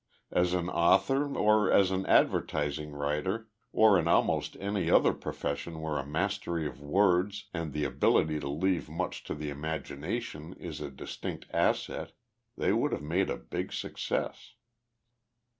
As an author or as an advertising writer or in almost any other profession where a mastery of words and the ability to leave much to the imagination is a distinct asset, they would have made a big success."